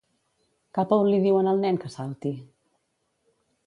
Cap a on li diuen al nen que salti?